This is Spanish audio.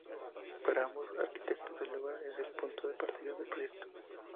Para ambos arquitectos el lugar es el punto de partida del proyecto.